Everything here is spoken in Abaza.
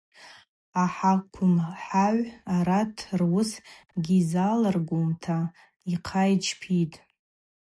Ахӏаквымхагӏв арат руыс гьизалыргумта йхъа йчпитӏ.